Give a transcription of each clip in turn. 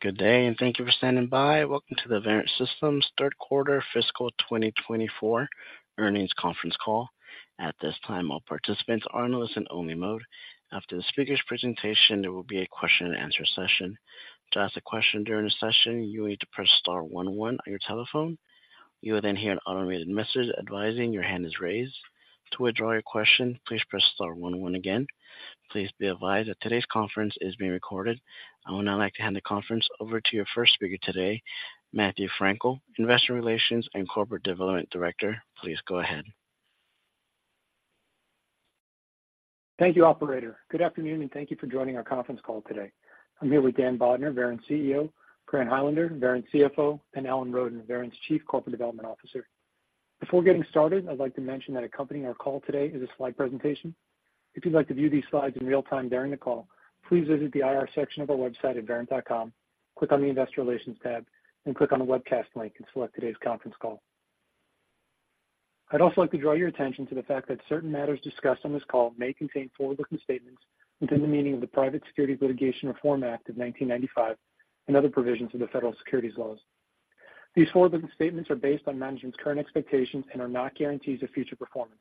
Good day, and thank you for standing by. Welcome to the Verint Systems third quarter fiscal 2024 earnings conference call. At this time, all participants are in a listen-only mode. After the speaker's presentation, there will be a question-and-answer session. To ask a question during the session, you will need to press star one one on your telephone. You will then hear an automated message advising your hand is raised. To withdraw your question, please press star one one again. Please be advised that today's conference is being recorded. I would now like to hand the conference over to your first speaker today, Matthew Frankel, Investor Relations and Corporate Development Director. Please go ahead. Thank you, operator. Good afternoon, and thank you for joining our conference call today. I'm here with Dan Bodner, Verint's CEO, Grant Highlander, Verint's CFO, and Alan Roden, Verint's Chief Corporate Development Officer. Before getting started, I'd like to mention that accompanying our call today is a slide presentation. If you'd like to view these slides in real time during the call, please visit the IR section of our website at verint.com, click on the Investor Relations tab, and click on the Webcast link and select today's conference call. I'd also like to draw your attention to the fact that certain matters discussed on this call may contain forward-looking statements within the meaning of the Private Securities Litigation Reform Act of 1995 and other provisions of the federal securities laws. These forward-looking statements are based on management's current expectations and are not guarantees of future performance.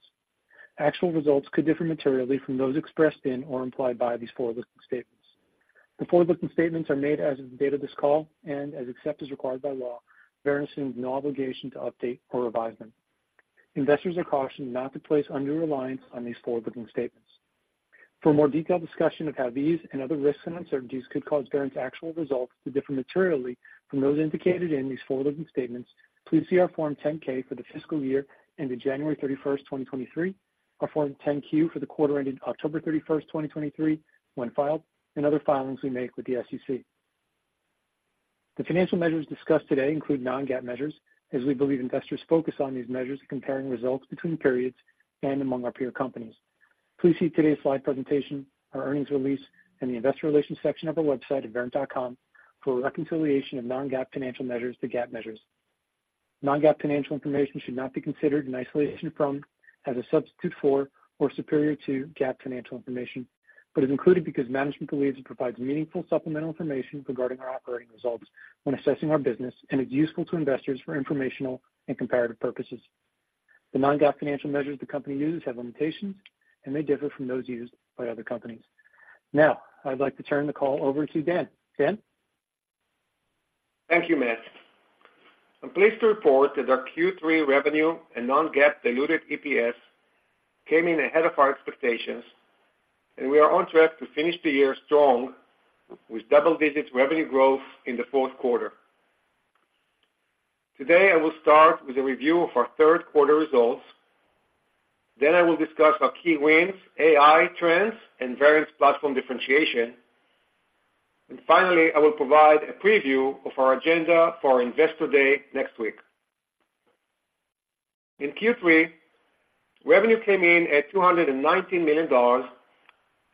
Actual results could differ materially from those expressed in or implied by these forward-looking statements. The forward-looking statements are made as of the date of this call, and except as required by law, Verint assumes no obligation to update or revise them. Investors are cautioned not to place undue reliance on these forward-looking statements. For a more detailed discussion of how these and other risks and uncertainties could cause Verint's actual results to differ materially from those indicated in these forward-looking statements, please see our Form 10-K for the fiscal year ended January 31, 2023, our Form 10-Q for the quarter ended October 31, 2023, when filed, and other filings we make with the SEC. The financial measures discussed today include non-GAAP measures, as we believe investors focus on these measures, comparing results between periods and among our peer companies. Please see today's slide presentation, our earnings release, and the investor relations section of our website at verint.com for a reconciliation of non-GAAP financial measures to GAAP measures. Non-GAAP financial information should not be considered in isolation from, as a substitute for, or superior to GAAP financial information, but is included because management believes it provides meaningful supplemental information regarding our operating results when assessing our business and is useful to investors for informational and comparative purposes. The non-GAAP financial measures the company uses have limitations, and they differ from those used by other companies. Now, I'd like to turn the call over to Dan. Dan? Thank you, Matt. I'm pleased to report that our Q3 revenue and non-GAAP diluted EPS came in ahead of our expectations, and we are on track to finish the year strong with double-digit revenue growth in the fourth quarter. Today, I will start with a review of our third quarter results, then I will discuss our key wins, AI trends, and Verint's platform differentiation. Finally, I will provide a preview of our agenda for our Investor Day next week. In Q3, revenue came in at $219 million,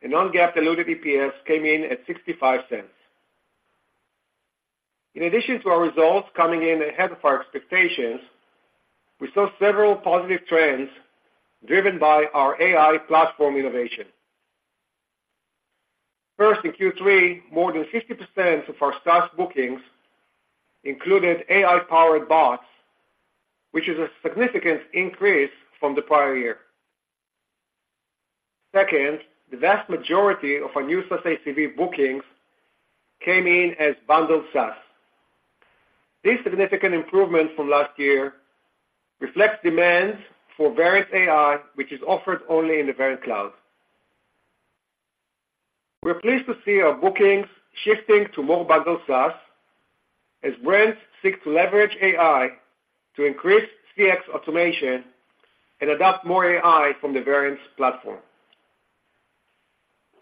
and non-GAAP diluted EPS came in at $0.65. In addition to our results coming in ahead of our expectations, we saw several positive trends driven by our AI platform innovation. First, in Q3, more than 50% of our SaaS bookings included AI-powered bots, which is a significant increase from the prior year. Second, the vast majority of our new SaaS ACV bookings came in as bundled SaaS. These significant improvements from last year reflect demand for Verint AI, which is offered only in the Verint Cloud. We're pleased to see our bookings shifting to more bundled SaaS as brands seek to leverage AI to increase CX automation and adopt more AI from the Verint platform.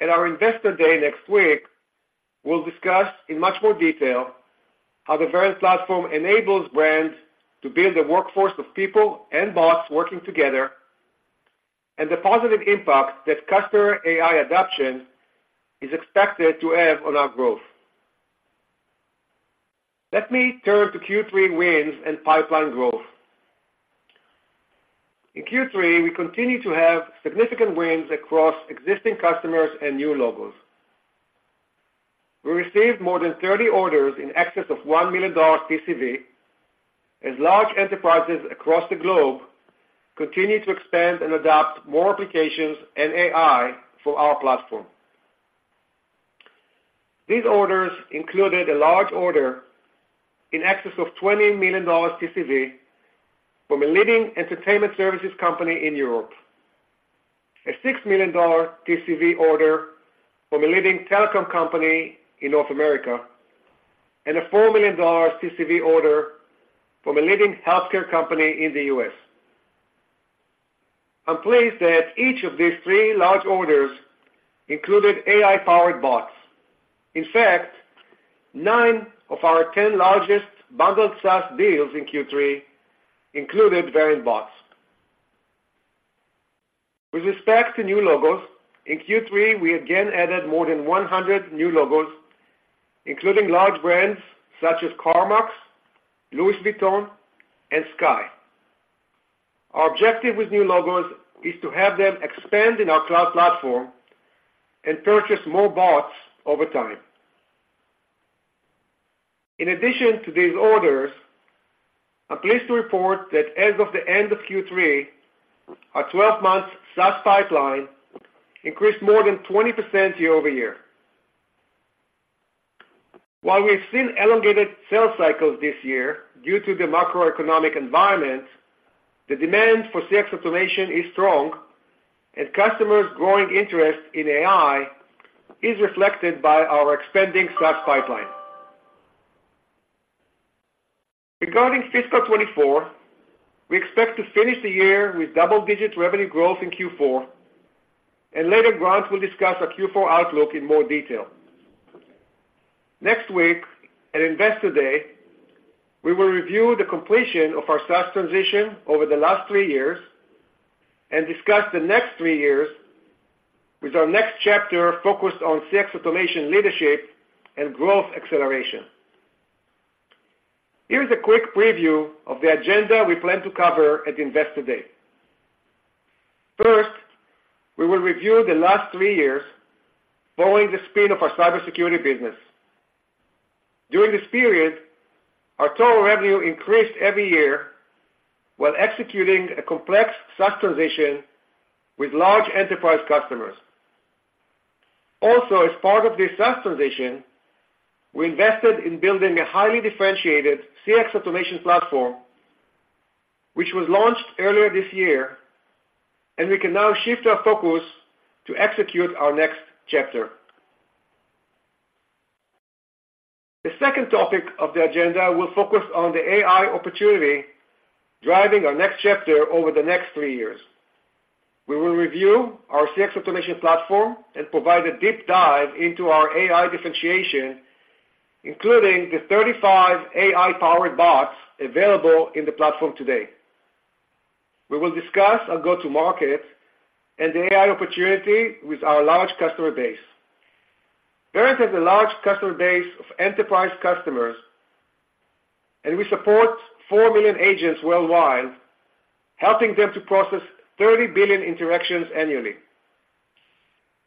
At our Investor Day next week, we'll discuss in much more detail how the Verint platform enables brands to build a workforce of people and bots working together, and the positive impact that customer AI adoption is expected to have on our growth. Let me turn to Q3 wins and pipeline growth. In Q3, we continued to have significant wins across existing customers and new logos. We received more than 30 orders in excess of $1 million TCV, as large enterprises across the globe continued to expand and adopt more applications and AI for our platform. These orders included a large order in excess of $20 million TCV from a leading entertainment services company in Europe, a $6 million TCV order from a leading telecom company in North America, and a $4 million TCV order from a leading healthcare company in the U.S. I'm pleased that each of these three large orders included AI-powered bots. In fact, 9 of our 10 largest bundled SaaS deals in Q3 included Verint bots. With respect to new logos, in Q3, we again added more than 100 new logos, including large brands such as CarMax , Louis Vuitton, and Sky. Our objective with new logos is to have them expand in our cloud platform and purchase more bots over time. In addition to these orders, I'm pleased to report that as of the end of Q3, our twelve-month SaaS pipeline increased more than 20% year-over-year. While we've seen elongated sales cycles this year due to the macroeconomic environment, the demand for CX automation is strong, and customers' growing interest in AI is reflected by our expanding SaaS pipeline. Regarding fiscal 2024, we expect to finish the year with double-digit revenue growth in Q4, and later, Grant will discuss our Q4 outlook in more detail. Next week, at Investor Day, we will review the completion of our SaaS transition over the last three years and discuss the next three years with our next chapter focused on CX automation leadership and growth acceleration. Here's a quick preview of the agenda we plan to cover at Investor Day. First, we will review the last three years following the spin of our cybersecurity business. During this period, our total revenue increased every year while executing a complex SaaS transition with large enterprise customers. Also, as part of this SaaS transition, we invested in building a highly differentiated CX automation platform, which was launched earlier this year, and we can now shift our focus to execute our next chapter. The second topic of the agenda will focus on the AI opportunity, driving our next chapter over the next three years. We will review our CX automation platform and provide a deep dive into our AI differentiation, including the 35 AI-powered bots available in the platform today. We will discuss our go-to-market and the AI opportunity with our large customer base. Verint has a large customer base of enterprise customers, and we support 4 million agents worldwide, helping them to process 30 billion interactions annually.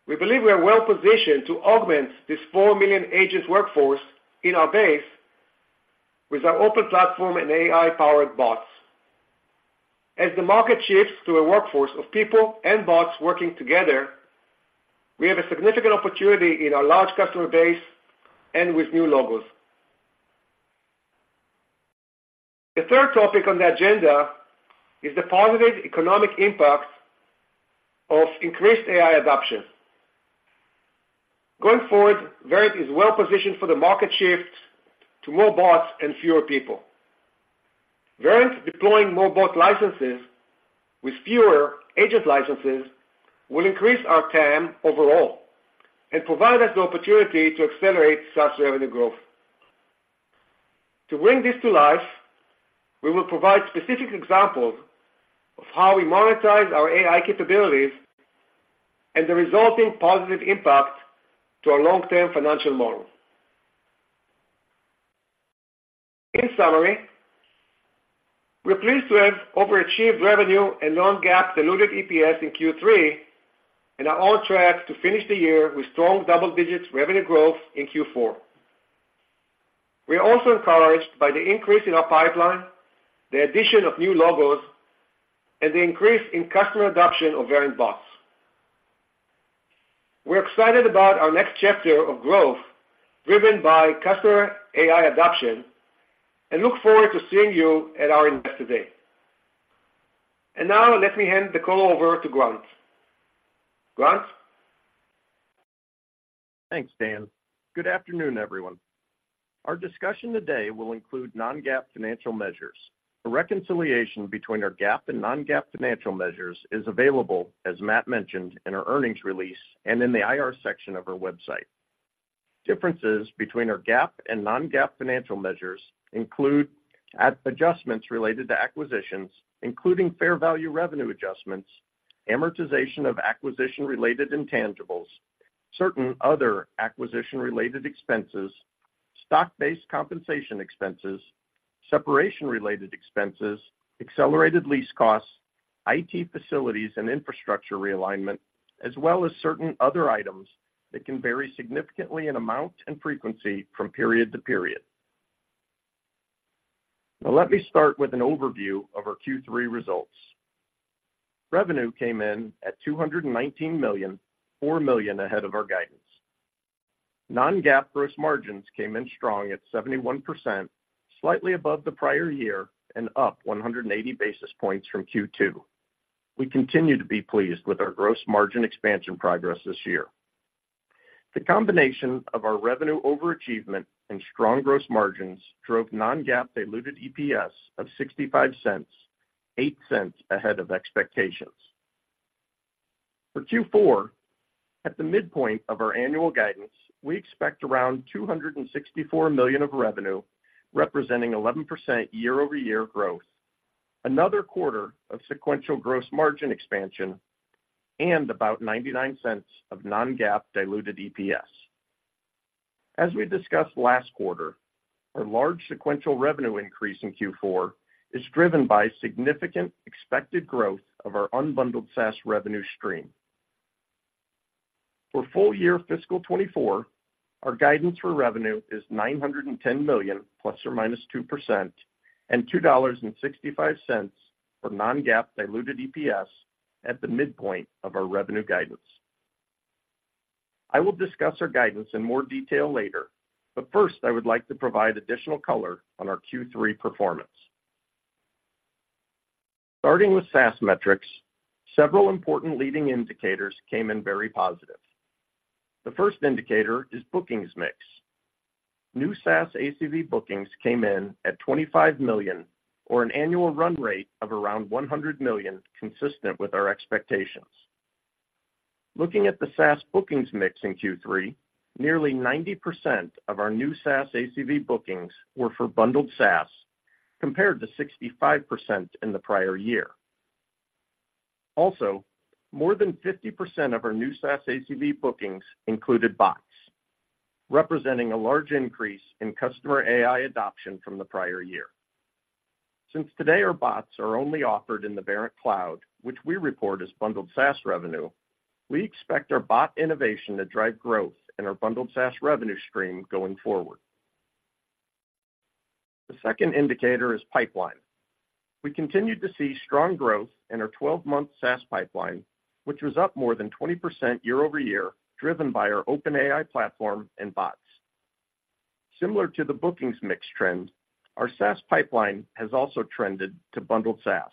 We believe we are well positioned to augment this 4 million agents workforce in our base with our open platform and AI-powered bots. As the market shifts to a workforce of people and bots working together, we have a significant opportunity in our large customer base and with new logos. The third topic on the agenda is the positive economic impact of increased AI adoption. Going forward, Verint is well positioned for the market shift to more bots and fewer people. Verint deploying more bot licenses with fewer agent licenses will increase our TAM overall and provide us the opportunity to accelerate SaaS revenue growth. To bring this to life, we will provide specific examples of how we monetize our AI capabilities and the resulting positive impact to our long-term financial model. In summary, we are pleased to have overachieved revenue and non-GAAP diluted EPS in Q3 and are on track to finish the year with strong double-digit revenue growth in Q4. We are also encouraged by the increase in our pipeline, the addition of new logos, and the increase in customer adoption of Verint bots. We're excited about our next chapter of growth, driven by customer AI adoption, and look forward to seeing you at our Investor Day. Now let me hand the call over to Grant. Grant? Thanks, Dan. Good afternoon, everyone. Our discussion today will include Non-GAAP financial measures. A reconciliation between our GAAP and Non-GAAP financial measures is available, as Matt mentioned, in our earnings release and in the IR section of our website. Differences between our GAAP and Non-GAAP financial measures include adjustments related to acquisitions, including fair value revenue adjustments, amortization of acquisition-related intangibles, certain other acquisition-related expenses, stock-based compensation expenses, separation-related expenses, accelerated lease costs, IT facilities and infrastructure realignment, as well as certain other items that can vary significantly in amount and frequency from period to period. Now, let me start with an overview of our Q3 results. Revenue came in at $219 million, $4 million ahead of our guidance. Non-GAAP gross margins came in strong at 71%, slightly above the prior year and up 180 basis points from Q2. We continue to be pleased with our gross margin expansion progress this year. The combination of our revenue overachievement and strong gross margins drove non-GAAP diluted EPS of $0.65, $0.08 ahead of expectations. For Q4, at the midpoint of our annual guidance, we expect around $264 million of revenue, representing 11% year-over-year growth, another quarter of sequential gross margin expansion, and about $0.99 of non-GAAP diluted EPS. As we discussed last quarter, our large sequential revenue increase in Q4 is driven by significant expected growth of our unbundled SaaS revenue stream. For full year fiscal 2024, our guidance for revenue is $910 million, ±2%, and $2.65 for non-GAAP diluted EPS at the midpoint of our revenue guidance. I will discuss our guidance in more detail later, but first, I would like to provide additional color on our Q3 performance. Starting with SaaS metrics, several important leading indicators came in very positive. The first indicator is bookings mix. New SaaS ACV bookings came in at $25 million, or an annual run rate of around $100 million, consistent with our expectations. Looking at the SaaS bookings mix in Q3, nearly 90% of our new SaaS ACV bookings were for bundled SaaS, compared to 65% in the prior year. Also, more than 50% of our new SaaS ACV bookings included bots, representing a large increase in customer AI adoption from the prior year. Since today, our bots are only offered in the Verint Cloud, which we report as bundled SaaS revenue, we expect our bot innovation to drive growth in our bundled SaaS revenue stream going forward. The second indicator is pipeline. We continued to see strong growth in our 12-month SaaS pipeline, which was up more than 20% year-over-year, driven by our open AI platform and bots. Similar to the bookings mix trend, our SaaS pipeline has also trended to bundled SaaS,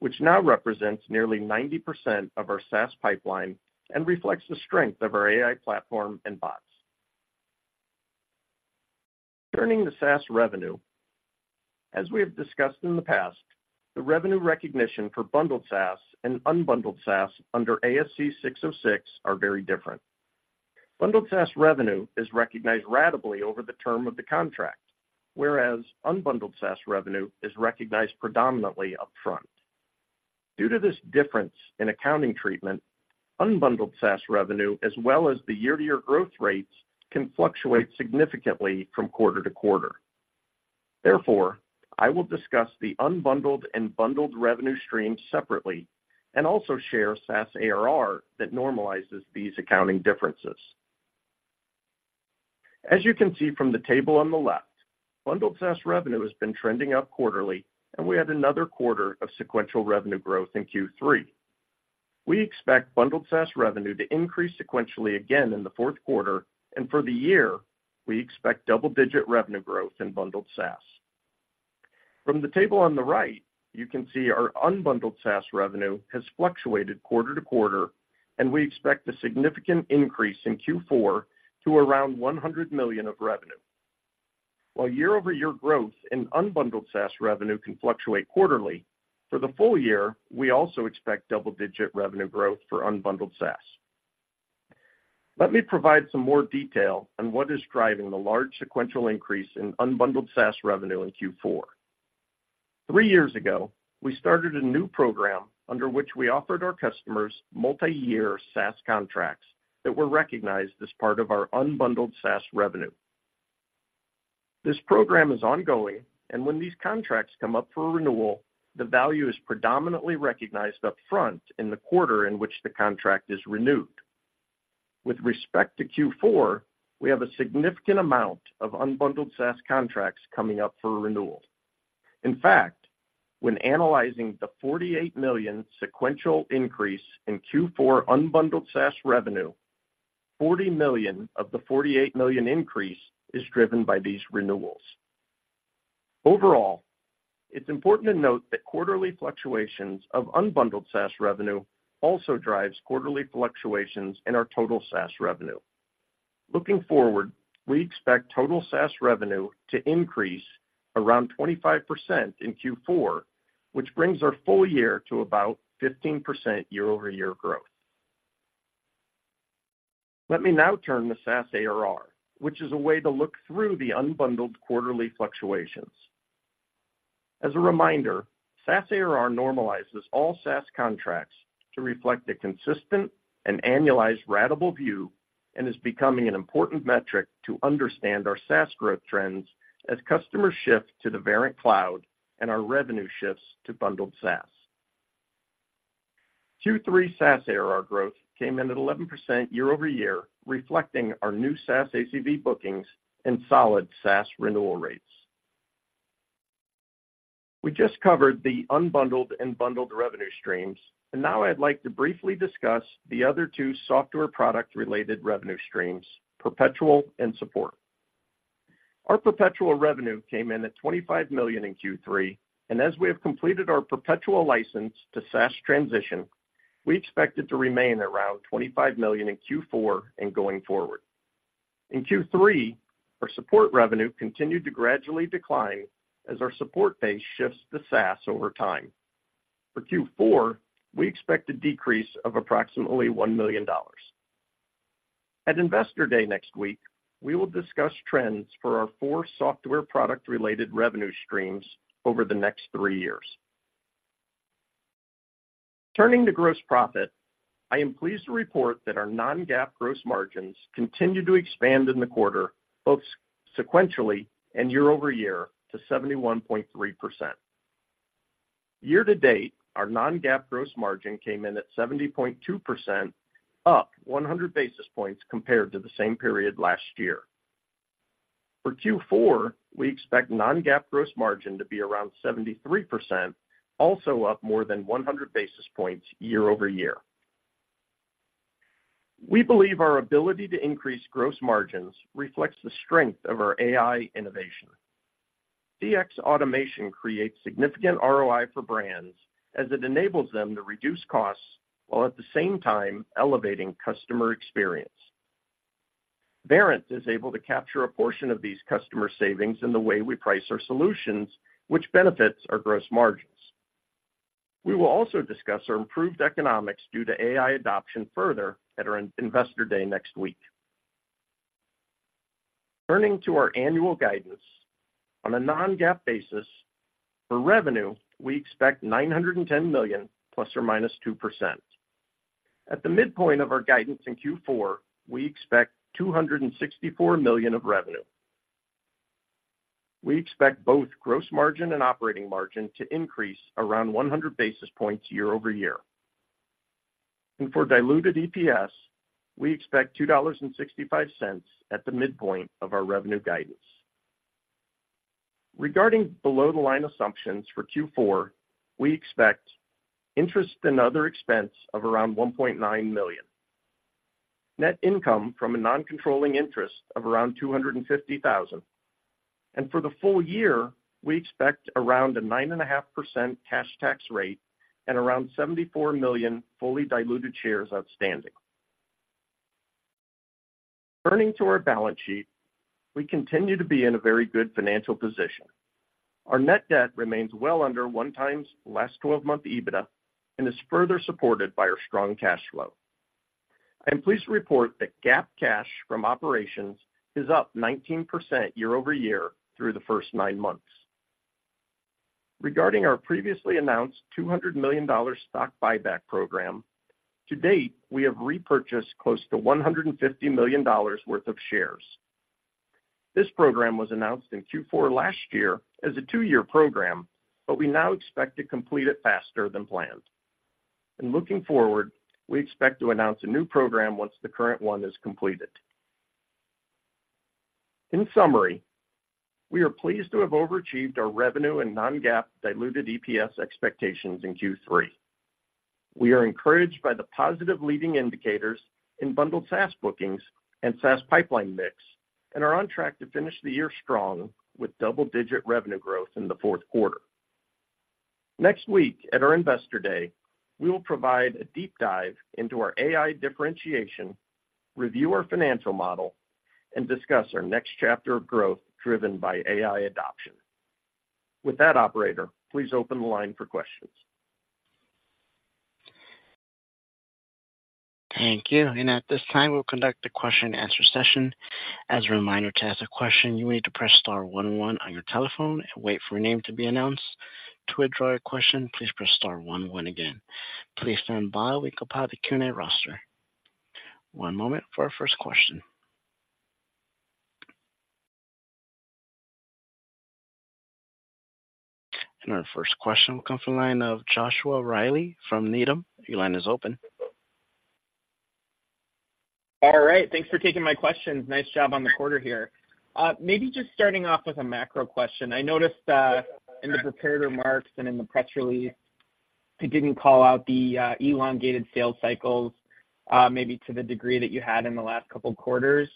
which now represents nearly 90% of our SaaS pipeline and reflects the strength of our AI platform and bots. Turning to SaaS revenue. As we have discussed in the past, the revenue recognition for bundled SaaS and unbundled SaaS under ASC 606 are very different. Bundled SaaS revenue is recognized ratably over the term of the contract, whereas unbundled SaaS revenue is recognized predominantly upfront. Due to this difference in accounting treatment, unbundled SaaS revenue, as well as the year-to-year growth rates, can fluctuate significantly from quarter to quarter. Therefore, I will discuss the unbundled and bundled revenue streams separately and also share SaaS ARR that normalizes these accounting differences. As you can see from the table on the left, bundled SaaS revenue has been trending up quarterly, and we had another quarter of sequential revenue growth in Q3. We expect bundled SaaS revenue to increase sequentially again in the fourth quarter, and for the year, we expect double-digit revenue growth in bundled SaaS. From the table on the right, you can see our unbundled SaaS revenue has fluctuated quarter to quarter, and we expect a significant increase in Q4 to around $100 million of revenue. While year-over-year growth in unbundled SaaS revenue can fluctuate quarterly, for the full year, we also expect double-digit revenue growth for unbundled SaaS. Let me provide some more detail on what is driving the large sequential increase in unbundled SaaS revenue in Q4. 3 years ago, we started a new program under which we offered our customers multi-year SaaS contracts that were recognized as part of our unbundled SaaS revenue. This program is ongoing, and when these contracts come up for renewal, the value is predominantly recognized upfront in the quarter in which the contract is renewed. With respect to Q4, we have a significant amount of unbundled SaaS contracts coming up for renewal. In fact, when analyzing the $48 million sequential increase in Q4 unbundled SaaS revenue, $40 million of the $48 million increase is driven by these renewals. Overall, it's important to note that quarterly fluctuations of unbundled SaaS revenue also drives quarterly fluctuations in our total SaaS revenue. Looking forward, we expect total SaaS revenue to increase around 25% in Q4, which brings our full year to about 15% year-over-year growth. Let me now turn to SaaS ARR, which is a way to look through the unbundled quarterly fluctuations. As a reminder, SaaS ARR normalizes all SaaS contracts to reflect a consistent and annualized ratable view and is becoming an important metric to understand our SaaS growth trends as customers shift to the Verint Cloud and our revenue shifts to bundled SaaS. Q3 SaaS ARR growth came in at 11% year-over-year, reflecting our new SaaS ACV bookings and solid SaaS renewal rates. We just covered the unbundled and bundled revenue streams, and now I'd like to briefly discuss the other two software product-related revenue streams, perpetual and support. Our perpetual revenue came in at $25 million in Q3, and as we have completed our perpetual license to SaaS transition, we expect it to remain around $25 million in Q4 and going forward. In Q3, our support revenue continued to gradually decline as our support base shifts to SaaS over time. For Q4, we expect a decrease of approximately $1 million. At Investor Day next week, we will discuss trends for our four software product-related revenue streams over the next three years. Turning to gross profit, I am pleased to report that our non-GAAP gross margins continued to expand in the quarter, both sequentially and year-over-year, to 71.3%. Year to date, our non-GAAP gross margin came in at 70.2%, up 100 basis points compared to the same period last year. For Q4, we expect non-GAAP gross margin to be around 73%, also up more than 100 basis points year-over-year. We believe our ability to increase gross margins reflects the strength of our AI innovation. CX automation creates significant ROI for brands as it enables them to reduce costs, while at the same time elevating customer experience. Verint is able to capture a portion of these customer savings in the way we price our solutions, which benefits our gross margins. We will also discuss our improved economics due to AI adoption further at our Investor Day next week. Turning to our annual guidance. On a non-GAAP basis, for revenue, we expect $910 million, ±2%. At the midpoint of our guidance in Q4, we expect $264 million of revenue. We expect both gross margin and operating margin to increase around 100 basis points year-over-year. For diluted EPS, we expect $2.65 at the midpoint of our revenue guidance. Regarding below-the-line assumptions for Q4, we expect interest and other expense of around $1.9 million. Net income from a non-controlling interest of around $250,000. For the full year, we expect around a 9.5% cash tax rate and around 74 million fully diluted shares outstanding. Turning to our balance sheet, we continue to be in a very good financial position. Our net debt remains well under 1x last twelve-month EBITDA, and is further supported by our strong cash flow. I am pleased to report that GAAP cash from operations is up 19% year-over-year through the first nine months. Regarding our previously announced $200 million stock buyback program, to date, we have repurchased close to $150 million worth of shares. This program was announced in Q4 last year as a two-year program, but we now expect to complete it faster than planned. Looking forward, we expect to announce a new program once the current one is completed. In summary, we are pleased to have overachieved our revenue and non-GAAP diluted EPS expectations in Q3. We are encouraged by the positive leading indicators in bundled SaaS bookings and SaaS pipeline mix, and are on track to finish the year strong with double-digit revenue growth in the fourth quarter. Next week, at our Investor Day, we will provide a deep dive into our AI differentiation, review our financial model, and discuss our next chapter of growth driven by AI adoption. With that, operator, please open the line for questions. Thank you. And at this time, we'll conduct a question-and-answer session. As a reminder, to ask a question, you need to press star one one on your telephone and wait for your name to be announced. To withdraw your question, please press star one one again. Please stand by while we compile the Q&A roster. One moment for our first question. And our first question will come from the line of Joshua Reilly from Needham. Your line is open. All right, thanks for taking my questions. Nice job on the quarter here. Maybe just starting off with a macro question. I noticed in the prepared remarks and in the press release, you didn't call out the elongated sales cycles, maybe to the degree that you had in the last couple of quarters.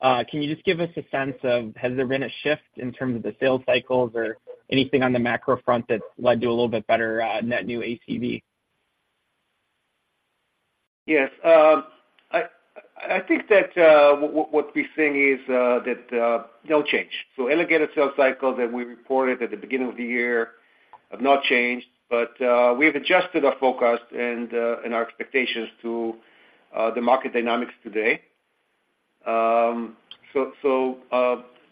Can you just give us a sense of has there been a shift in terms of the sales cycles or anything on the macro front that led to a little bit better net new ACV? Yes, I think that what we're seeing is that no change. So elongated sales cycles that we reported at the beginning of the year have not changed, but we have adjusted our forecast and our expectations to the market dynamics today. So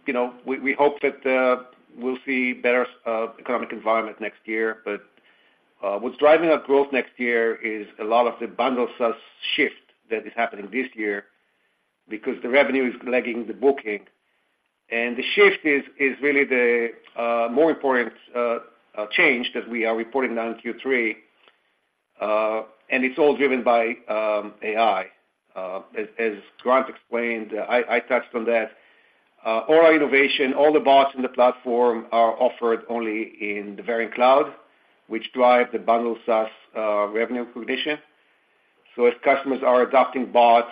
you know, we hope that we'll see better economic environment next year. But what's driving our growth next year is a lot of the bundled SaaS shift that is happening this year, because the revenue is lagging the booking. And the shift is really the more important change that we are reporting now in Q3, and it's all driven by AI. As Grant explained, I touched on that. All our innovation, all the bots in the platform are offered only in the Verint Cloud, which drive the bundled SaaS revenue provision. So as customers are adopting bots...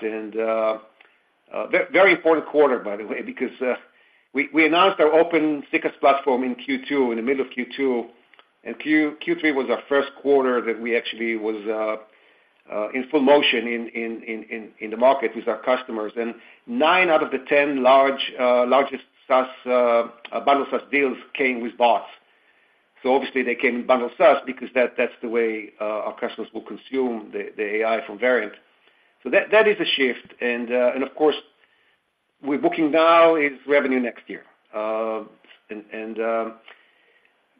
Very, very important quarter, by the way, because we announced our Open CCaaS platform in Q2, in the middle of Q2, and Q3 was our first quarter that we actually was in full motion in the market with our customers. And nine out of the 10 largest SaaS bundle SaaS deals came with bots. So obviously they came in bundled SaaS because that's the way our customers will consume the AI from Verint. So that is a shift and of course-... we're booking now is revenue next year. And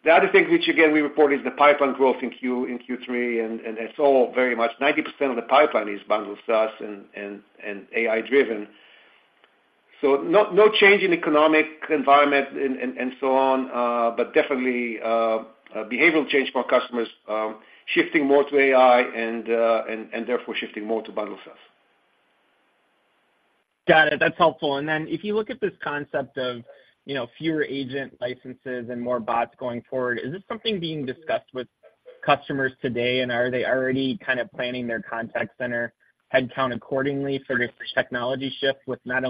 the other thing which again we report is the pipeline growth in Q3, and it's all very much 90% of the pipeline is bundled SaaS and AI-driven. So no change in economic environment and so on, but definitely a behavioral change for our customers, shifting more to AI and therefore shifting more to bundled SaaS. Got it. That's helpful. And then if you look at this concept of, you know, fewer agent licenses and more bots going forward, is this something being discussed with customers today? And are they already kind of planning their contact center headcount accordingly for this technology shift with not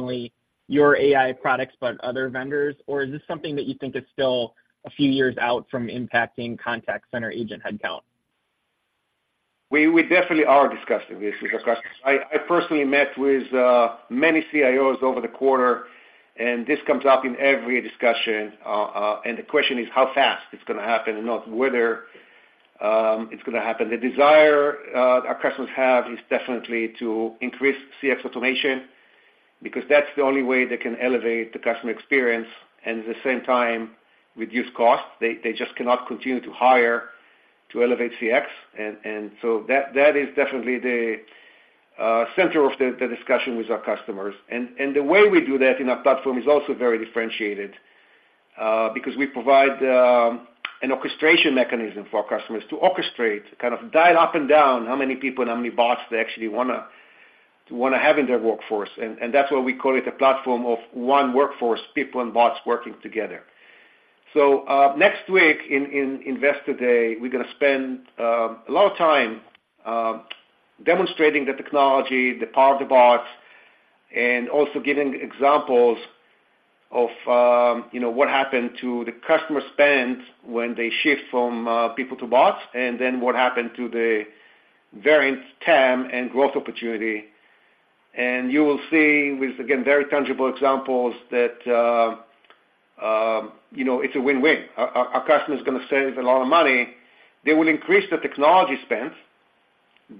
only your AI products, but other vendors? Or is this something that you think is still a few years out from impacting contact center agent headcount? We definitely are discussing this with our customers. I personally met with many CIOs over the quarter, and this comes up in every discussion. And the question is how fast it's going to happen and not whether it's going to happen. The desire our customers have is definitely to increase CX automation, because that's the only way they can elevate the customer experience and at the same time, reduce costs. They just cannot continue to hire to elevate CX. And so that is definitely the center of the discussion with our customers. The way we do that in our platform is also very differentiated, because we provide an orchestration mechanism for our customers to orchestrate, kind of dial up and down how many people and how many bots they actually wanna have in their workforce. And that's why we call it a platform of One Workforce, people and bots working together. So, next week in Investor Day, we're going to spend a lot of time demonstrating the technology, the power of the bots, and also giving examples of, you know, what happened to the customer spend when they shift from people to bots, and then what happened to the Verint TAM and growth opportunity. And you will see with, again, very tangible examples that, you know, it's a win-win. Our customer is going to save a lot of money. They will increase the technology spend,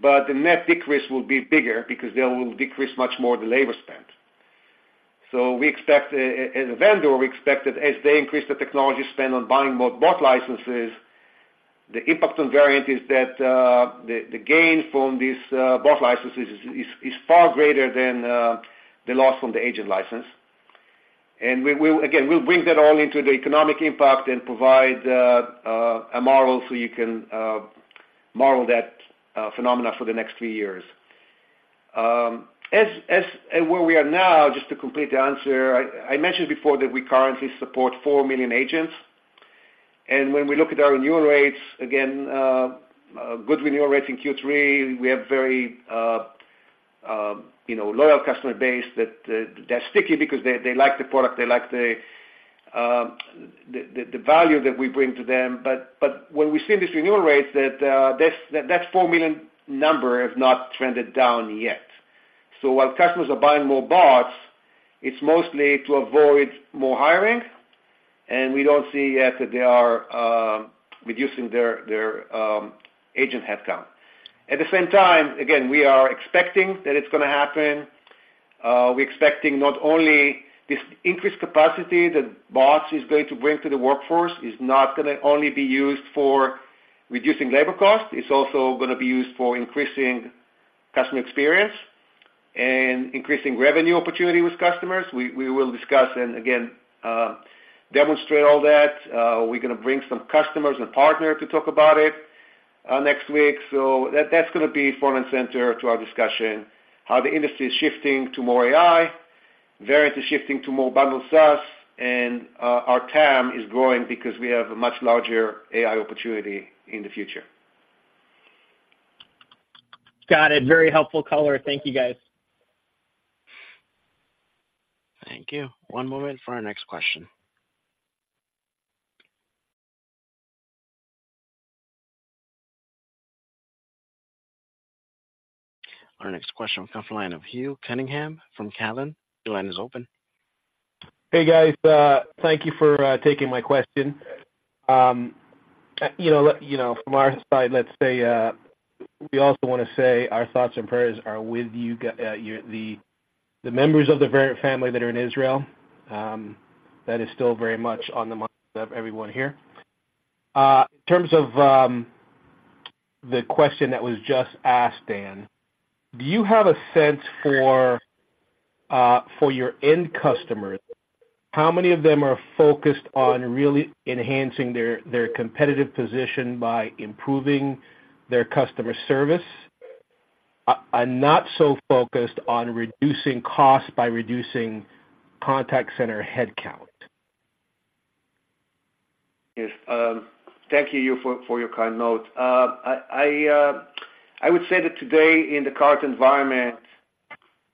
but the net decrease will be bigger because they will decrease much more the labor spend. So we expect as a vendor, we expect that as they increase the technology spend on buying more bot licenses, the impact on Verint is that the gain from these bot licenses is far greater than the loss from the agent license. And we'll again bring that all into the economic impact and provide a model so you can model that phenomena for the next few years. And where we are now, just to complete the answer, I mentioned before that we currently support 4 million agents, and when we look at our renewal rates, again, a good renewal rate in Q3, we have very, you know, loyal customer base that they're sticky because they like the product, they like the value that we bring to them. But when we see these renewal rates that 4 million number has not trended down yet. So while customers are buying more bots, it's mostly to avoid more hiring, and we don't see yet that they are reducing their agent headcount. At the same time, again, we are expecting that it's going to happen. We're expecting not only this increased capacity that bots is going to bring to the workforce, is not going to only be used for reducing labor costs, it's also going to be used for increasing customer experience and increasing revenue opportunity with customers. We will discuss and again demonstrate all that. We're going to bring some customers and partner to talk about it next week. So that's going to be front and center to our discussion, how the industry is shifting to more AI, Verint is shifting to more bundled SaaS, and our TAM is growing because we have a much larger AI opportunity in the future. Got it. Very helpful color. Thank you, guys. Thank you. One moment for our next question. Our next question will come from the line of Hugh Cunningham from Cowen. Your line is open. Hey, guys, thank you for taking my question. You know, from our side, let's say, we also want to say our thoughts and prayers are with you, the members of the Verint family that are in Israel, that is still very much on the minds of everyone here. In terms of the question that was just asked, Dan, do you have a sense for your end customers, how many of them are focused on really enhancing their competitive position by improving their customer service, and not so focused on reducing costs by reducing contact center headcount? Yes, thank you, Hugh, for your kind note. I would say that today, in the current environment,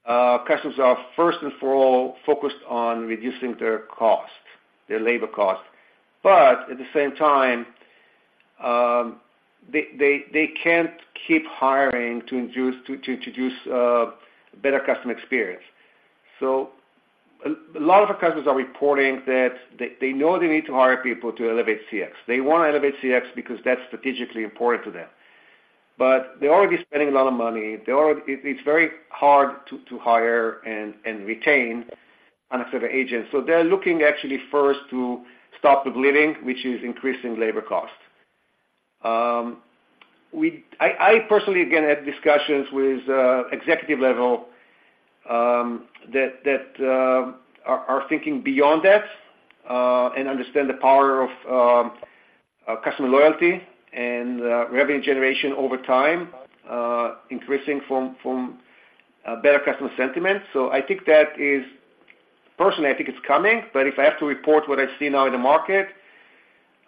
customers are first and foremost focused on reducing their costs, their labor costs. But at the same time, they can't keep hiring to induce, to introduce better customer experience. So a lot of our customers are reporting that they know they need to hire people to elevate CX. They want to elevate CX because that's strategically important to them, but they're already spending a lot of money. It's very hard to hire and retain contact center agents. So they're looking actually first to stop the bleeding, which is increasing labor costs. I personally, again, had discussions with executive level that are thinking beyond that and understand the power of customer loyalty and revenue generation over time, increasing from better customer sentiment. So I think that is-- personally, I think it's coming, but if I have to report what I see now in the market,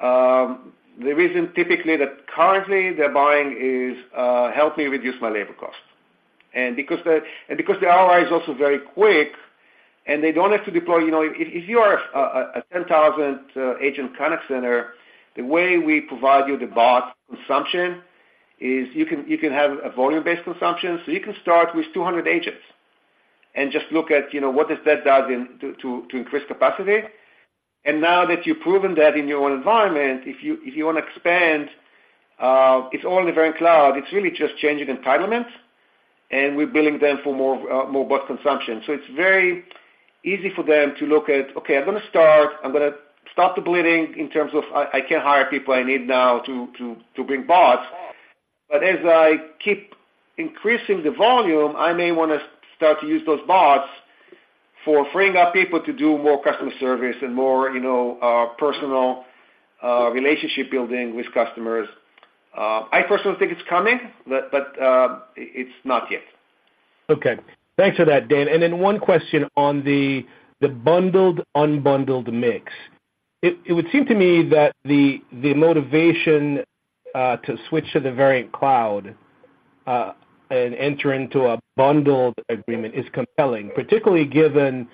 the reason typically that currently they're buying is help me reduce my labor cost. And because the ROI is also very quick, and they don't have to deploy, you know, if you are a 10,000-agent contact center, the way we provide you the bot consumption is you can have a volume-based consumption. So you can start with 200 agents and just look at, you know, what does that do in to increase capacity. And now that you've proven that in your own environment, if you want to expand, it's all in the Verint Cloud, it's really just changing entitlements, and we're billing them for more, more bot consumption. So it's very easy for them to look at, okay, I'm gonna start, I'm gonna stop the bleeding in terms of I can't hire people I need now to bring bots. But as I keep increasing the volume, I may want to start to use those bots for freeing up people to do more customer service and more, you know, personal, relationship building with customers. I personally think it's coming, but it's not yet. Okay. Thanks for that, Dan. And then one question on the bundled, unbundled mix. It would seem to me that the motivation to switch to the Verint Cloud and enter into a bundled agreement is compelling, particularly given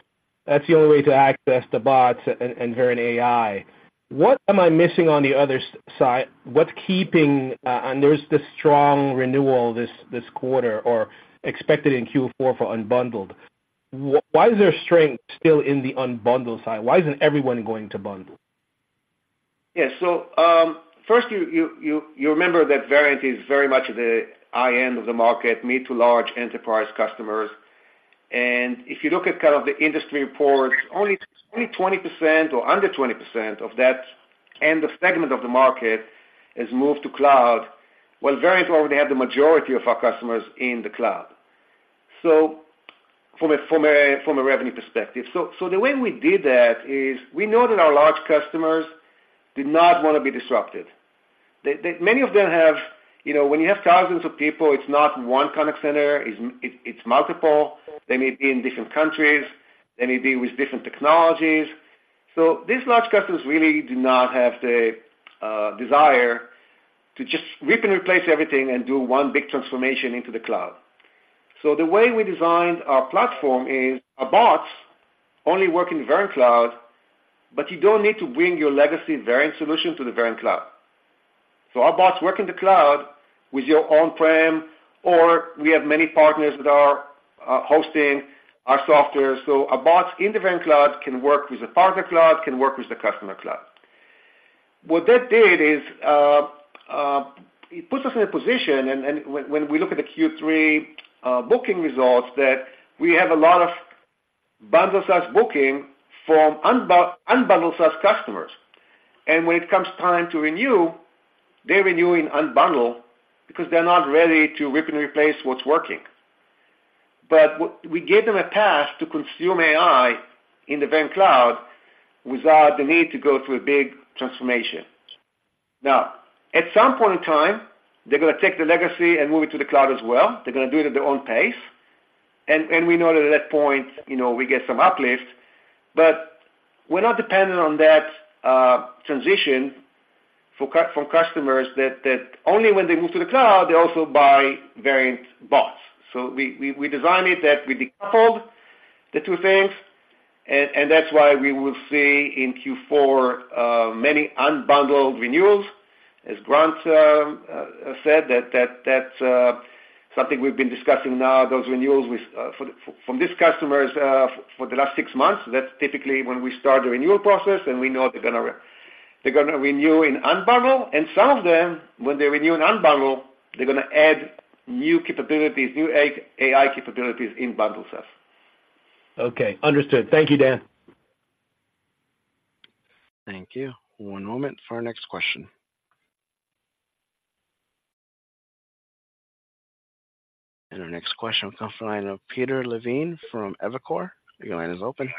that's the only way to access the bots and Verint AI. What am I missing on the other side? What's keeping, and there's this strong renewal this quarter or expected in Q4 for unbundled. Why is there strength still in the unbundled side? Why isn't everyone going to bundle? Yeah. So, first, you remember that Verint is very much the high end of the market, mid to large enterprise customers. And if you look at kind of the industry reports, only 20% or under 20% of that end of segment of the market has moved to cloud, while Verint already have the majority of our customers in the cloud. So from a revenue perspective. So the way we did that is we know that our large customers did not want to be disrupted. They, many of them have, you know, when you have thousands of people, it's not one contact center, it's multiple. They may be in different countries. They may be with different technologies. So these large customers really do not have the desire to just rip and replace everything and do one big transformation into the cloud. So the way we designed our platform is, our bots only work in Verint Cloud, but you don't need to bring your legacy Verint solution to the Verint Cloud. So our bots work in the cloud with your on-prem, or we have many partners that are hosting our software. So a bot in the Verint Cloud can work with a partner cloud, can work with the customer cloud. What that did is, it puts us in a position, and when we look at the Q3 booking results, that we have a lot of bundled SaaS booking from unbundled SaaS customers. When it comes time to renew, they renew unbundled because they're not ready to rip and replace what's working. But we gave them a path to consume AI in the Verint Cloud without the need to go through a big transformation. Now, at some point in time, they're gonna take the legacy and move it to the cloud as well. They're gonna do it at their own pace. And we know that at that point, you know, we get some uplift, but we're not dependent on that transition for current customers that only when they move to the cloud, they also buy Verint bots. So we designed it that we decoupled the two things, and that's why we will see in Q4 many unbundled renewals. As Grant said, that's something we've been discussing now, those renewals with, for, from these customers, for the last six months. That's typically when we start the renewal process, and we know they're gonna renew in unbundled, and some of them, when they renew in unbundled, they're gonna add new capabilities, new AI capabilities in bundled SaaS. Okay, understood. Thank you, Dan. Thank you. One moment for our next question. Our next question comes from the line of Peter Levine from Evercore. Your line is open.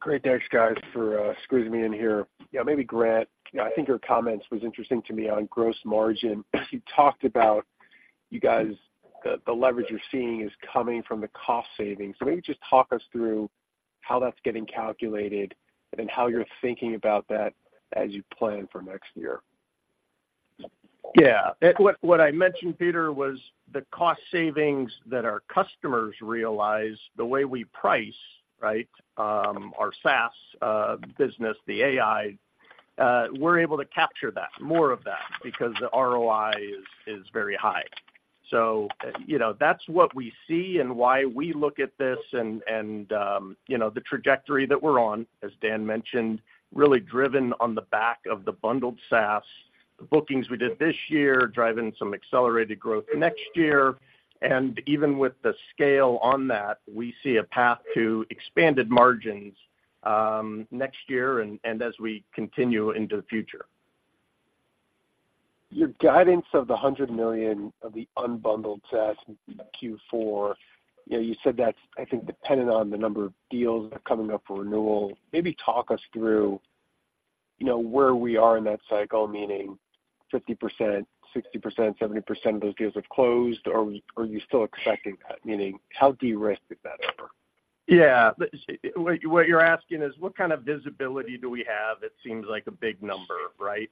Great. Thanks, guys, for squeezing me in here. Yeah, maybe Grant, I think your comments was interesting to me on gross margin. You talked about you guys, the leverage you're seeing is coming from the cost savings. So maybe just talk us through how that's getting calculated and how you're thinking about that as you plan for next year. Yeah. What I mentioned, Peter, was the cost savings that our customers realize, the way we price, right, our SaaS business, the AI, we're able to capture that, more of that, because the ROI is very high. So, you know, that's what we see and why we look at this and, you know, the trajectory that we're on, as Dan mentioned, really driven on the back of the bundled SaaS, the bookings we did this year, driving some accelerated growth next year. And even with the scale on that, we see a path to expanded margins, next year and as we continue into the future. Your guidance of the $100 million of unbundled SaaS in Q4, you know, you said that's, I think, dependent on the number of deals that are coming up for renewal. Maybe talk us through, you know, where we are in that cycle, meaning 50%, 60%, 70% of those deals have closed, or, or are you still expecting that? Meaning, how de-risked is that offer? Yeah. But what you're asking is, what kind of visibility do we have? It seems like a big number, right?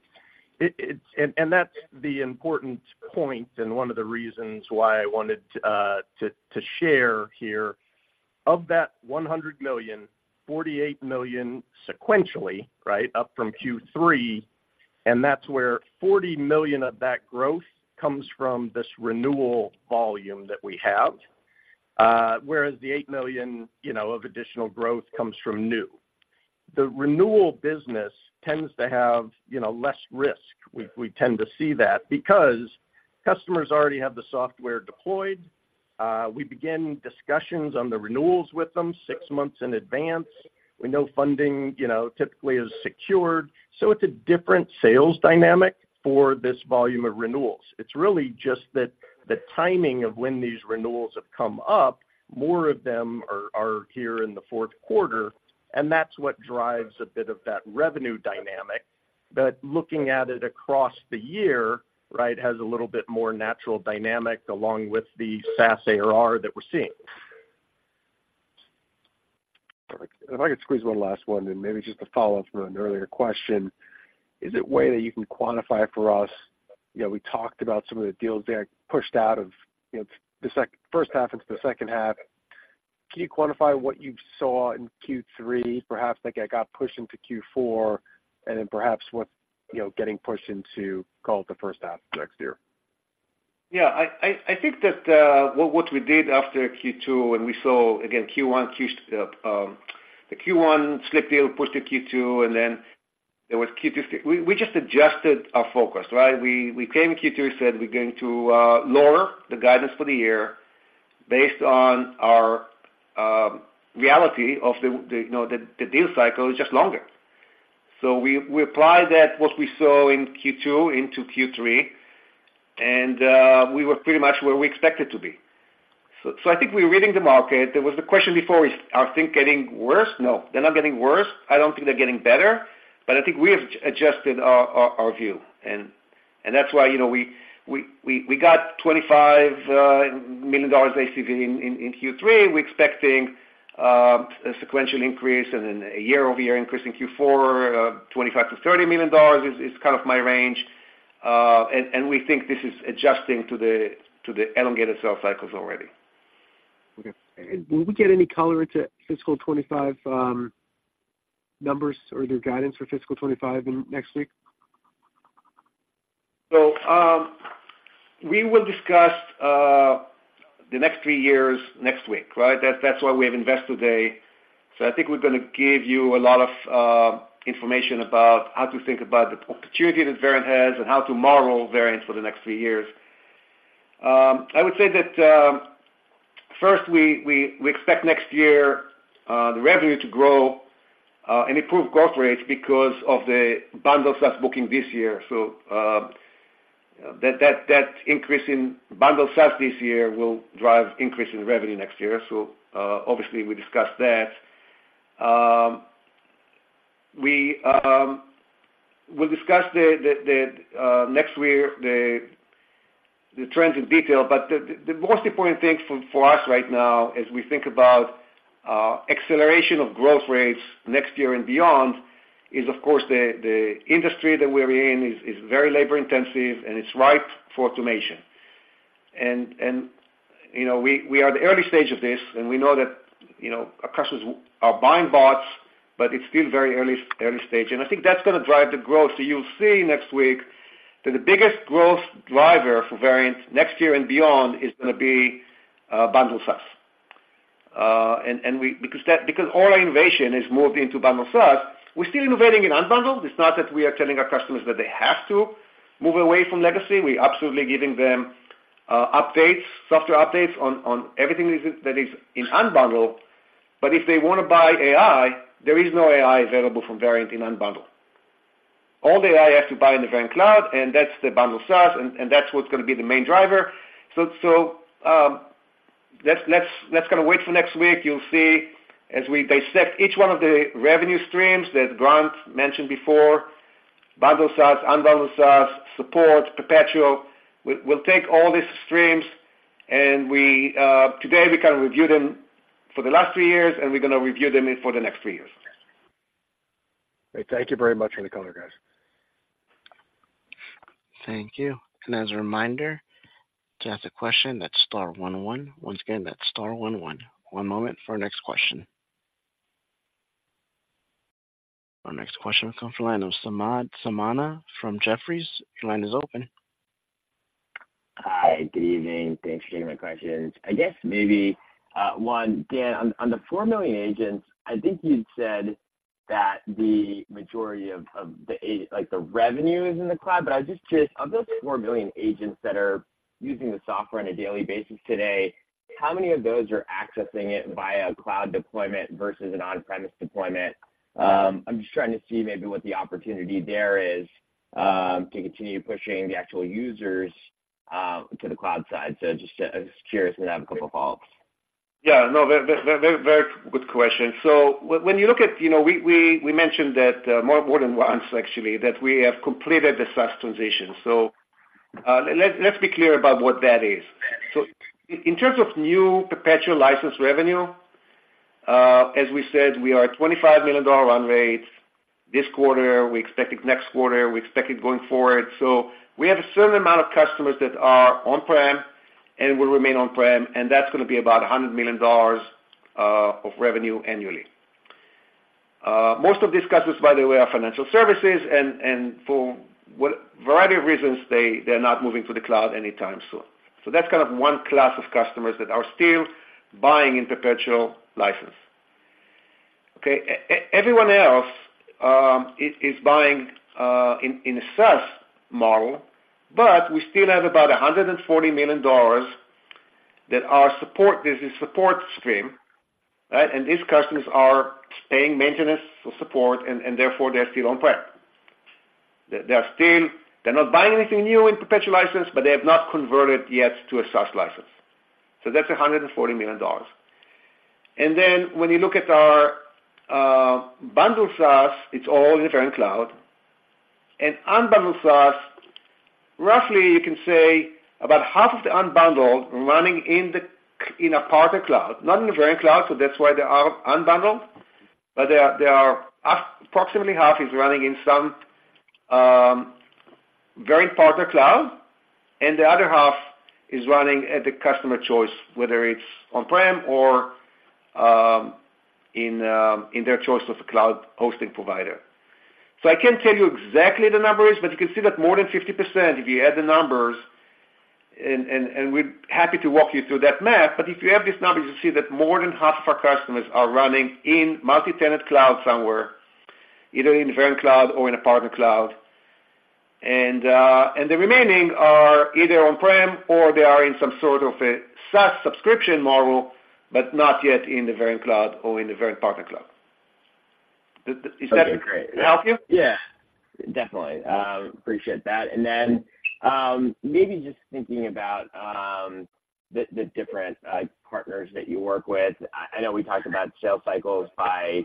And that's the important point and one of the reasons why I wanted to share here. Of that $100 million, $48 million sequentially, right, up from Q3, and that's where $40 million of that growth comes from this renewal volume that we have. Whereas the $8 million, you know, of additional growth comes from new. The renewal business tends to have, you know, less risk. We tend to see that because customers already have the software deployed. We begin discussions on the renewals with them six months in advance. We know funding, you know, typically is secured, so it's a different sales dynamic for this volume of renewals. It's really just that the timing of when these renewals have come up, more of them are here in the fourth quarter, and that's what drives a bit of that revenue dynamic. But looking at it across the year, right, has a little bit more natural dynamic, along with the SaaS ARR that we're seeing. If I could squeeze one last one, and maybe just a follow-up from an earlier question. Is there a way that you can quantify for us, you know, we talked about some of the deals that pushed out of, you know, the first half into the second half. Can you quantify what you saw in Q3, perhaps, like, it got pushed into Q4, and then perhaps what, you know, getting pushed into, call it, the first half next year? Yeah, I think that what we did after Q2 when we saw, again, Q1, the Q1 slip deal pushed to Q2, and then we just adjusted our focus, right? We came in Q3, said we're going to lower the guidance for the year based on our reality of the, you know, the deal cycle is just longer. So we applied that, what we saw in Q2 into Q3, and we were pretty much where we expected to be. So I think we're reading the market. There was the question before, is our things getting worse? No, they're not getting worse. I don't think they're getting better, but I think we have adjusted our view, and that's why, you know, we got $25 million ACV in Q3. We're expecting a sequential increase and then a year-over-year increase in Q4. $25-$30 million is kind of my range. And we think this is adjusting to the elongated sales cycles already. Okay. Will we get any color into fiscal 25 numbers or your guidance for fiscal 25 in next week? So, we will discuss the next three years next week, right? That's why we have Invest Today. So I think we're gonna give you a lot of information about how to think about the opportunity that Verint has and how to model Verint for the next three years. I would say that first, we expect next year the revenue to grow and improve growth rates because of the bundled SaaS booking this year. So, that increase in bundled SaaS this year will drive increase in revenue next year. So, obviously, we discussed that. We'll discuss next week the most important thing for us right now as we think about acceleration of growth rates next year and beyond is, of course, the industry that we're in is very labor intensive, and it's ripe for automation. And you know, we are at the early stage of this, and we know that, you know, our customers are buying bots, but it's still very early stage. And I think that's gonna drive the growth. So you'll see next week that the biggest growth driver for Verint next year and beyond is gonna be bundled SaaS. And because all our innovation is moved into bundled SaaS, we're still innovating in unbundled. It's not that we are telling our customers that they have to move away from legacy. We're absolutely giving them updates, software updates on everything that is in unbundled, but if they want to buy AI, there is no AI available from Verint in unbundled. All the AI you have to buy in the Verint Cloud, and that's the bundled SaaS, and that's what's gonna be the main driver. So, let's kind of wait for next week. You'll see, as we dissect each one of the revenue streams that Grant mentioned before, bundled SaaS, unbundled SaaS, support, perpetual. We'll take all these streams, and today we kind of review them for the last three years, and we're gonna review them for the next three years. Great. Thank you very much for the color, guys. Thank you. As a reminder, to ask a question, that's star 1 1. Once again, that's star 1 1. One moment for our next question.... Our next question will come from the line of Samad Samana from Jefferies. Your line is open. Hi, good evening. Thanks for taking my questions. I guess maybe one, Dan, on the 4 million agents, I think you'd said that the majority of the like, the revenue is in the cloud. But I was just curious, of those 4 million agents that are using the software on a daily basis today, how many of those are accessing it via cloud deployment versus an on-premise deployment? I'm just trying to see maybe what the opportunity there is to continue pushing the actual users to the cloud side. So just curious, and I have a couple of follows. Yeah, no, very good question. So when you look at, you know, we mentioned that more than once actually, that we have completed the SaaS transition. So, let's be clear about what that is. So in terms of new perpetual license revenue, as we said, we are at $25 million run rate this quarter, we expect it next quarter, we expect it going forward. So we have a certain amount of customers that are on-prem and will remain on-prem, and that's going to be about $100 million of revenue annually. Most of these customers, by the way, are financial services, and for what variety of reasons, they're not moving to the cloud anytime soon. So that's kind of one class of customers that are still buying in perpetual license. Okay, everyone else is buying in a SaaS model, but we still have about $140 million that our support, this is support stream, right? And these customers are paying maintenance for support, and therefore, they're still on-prem. They are still. They're not buying anything new in perpetual license, but they have not converted yet to a SaaS license. So that's $140 million. And then when you look at our bundled SaaS, it's all in Verint Cloud. And unbundled SaaS, roughly, you can say about half of the unbundled running in a partner cloud, not in the Verint Cloud, so that's why they are unbundled, but they are, they are approximately half is running in some Verint partner cloud, and the other half is running at the customer choice, whether it's on-prem or in their choice of cloud hosting provider. So I can't tell you exactly the numbers, but you can see that more than 50%, if you add the numbers, and, and, and we're happy to walk you through that math. But if you add these numbers, you'll see that more than half of our customers are running in multi-tenant cloud somewhere, either in Verint Cloud or in a partner cloud. The remaining are either on-prem or they are in some sort of a SaaS subscription model, but not yet in the Verint Cloud or in the Verint partner cloud. Does that help you? Yeah, definitely. Appreciate that. And then, maybe just thinking about the different partners that you work with. I know we talked about sales cycles by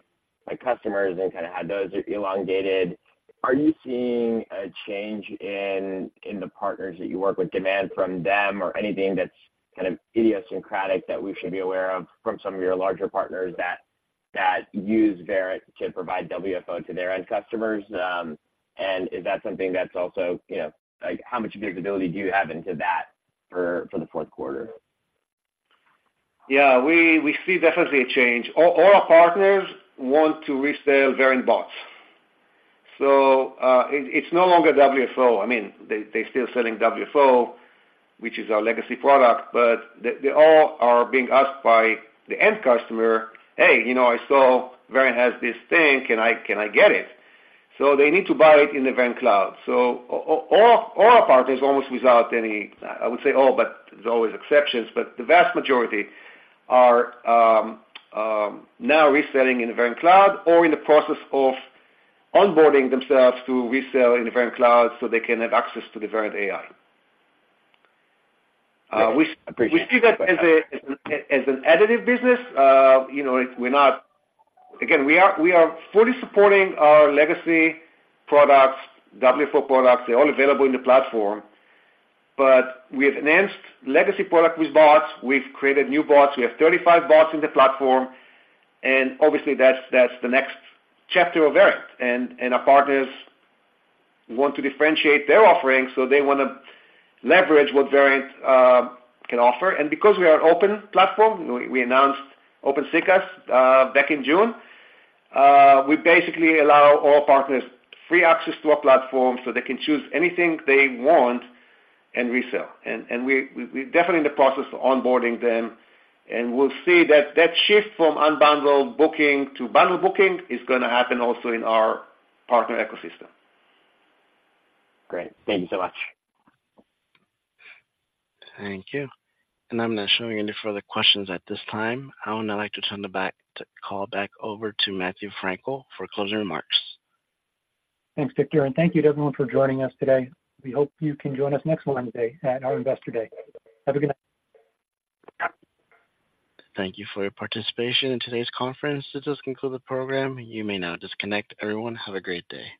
customers and kind of had those elongated. Are you seeing a change in the partners that you work with, demand from them or anything that's kind of idiosyncratic that we should be aware of from some of your larger partners that use Verint to provide WFO to their end customers, and is that something that's also, you know, like, how much visibility do you have into that for the fourth quarter? Yeah, we see definitely a change. All our partners want to resell Verint bots. So, it's no longer WFO. I mean, they're still selling WFO, which is our legacy product, but they all are being asked by the end customer: "Hey, you know, I saw Verint has this thing. Can I get it?" So they need to buy it in the Verint Cloud. So all our partners, almost without any, I would say all, but there's always exceptions, but the vast majority are now reselling in the Verint Cloud or in the process of onboarding themselves to resell in the Verint Cloud so they can have access to the Verint AI. Uh, appreciate. We see that as an additive business. You know, we're not... Again, we are fully supporting our legacy products, WFO products. They're all available in the platform, but we have enhanced legacy product with bots. We've created new bots. We have 35 bots in the platform, and obviously, that's the next chapter of Verint. And our partners want to differentiate their offerings, so they want to leverage what Verint can offer. And because we are an open platform, we announced Open CCaaS back in June, we basically allow all partners free access to our platform so they can choose anything they want and resell. And we, we're definitely in the process of onboarding them, and we'll see that shift from unbundled booking to bundled booking is going to happen also in our partner ecosystem. Great. Thank you so much. Thank you. I'm not showing any further questions at this time. I would now like to turn the call back over to Matthew Frankel for closing remarks. Thanks, Victor, and thank you to everyone for joining us today. We hope you can join us next Wednesday at our Investor Day. Have a good night. Thank you for your participation in today's conference. This does conclude the program. You may now disconnect. Everyone, have a great day.